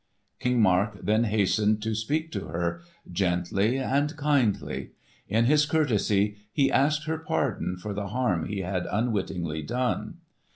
King Mark then hastened to speak to her, gently and kindly. In his courtesy he asked her pardon for the harm he had unwittingly done.